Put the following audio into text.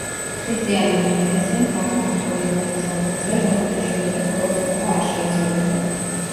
ქრისტიანულმა ეკლესიამ გააფართოვა იმ ნათესავთა წრე, რომელთა შორისაც ქორწინება არ შეიძლებოდა.